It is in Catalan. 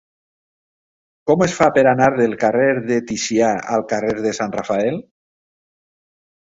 Com es fa per anar del carrer de Ticià al carrer de Sant Rafael?